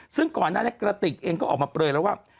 ซึ่งก่อนหน้านี้กระติกเองก็ออกมาเปลยแล้วว่า